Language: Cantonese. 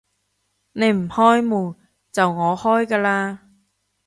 你唔開門，就我開㗎喇